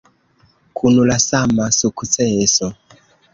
Kun la sama sukceso.